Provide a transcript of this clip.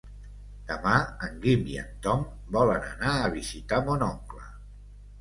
Demà en Guim i en Tom volen anar a visitar mon oncle.